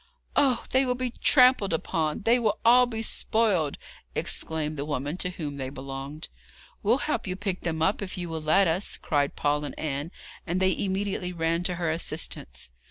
'Oh, they will be trampled upon! They will all be spoiled!' exclaimed the woman to whom they belonged. 'We'll help you to pick them up, if you will let us,' cried Paul and Anne, and they immediately ran to her assistance.